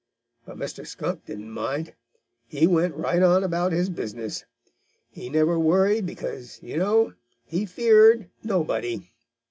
But Mr. Skunk didn't mind. He went right on about his business. He never worried, because, you know, he feared nobody.